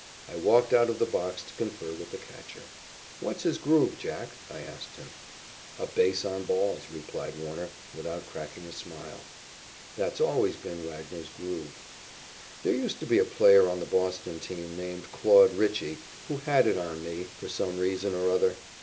I walked out of the box to confer with the catcher. "What's his 'groove,' Jack?" I asked him. "A base on balls," replied Warner, without cracking a smile. That's always been Wagner's "groove." There used to be a player on the Boston team named Claude Ritchey who "had it on me" for some reason or other.